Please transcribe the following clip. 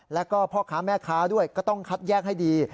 แล้วก็พ่อค้าแม่ค้าด้วยก็ต้องคัดแยกให้ดี